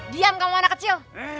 diam kamu anak kecil